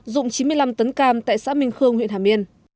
dụng chín mươi năm tấn cam tại xã minh khương huyện hà miên